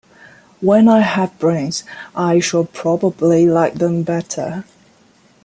When I have brains I shall probably like them better.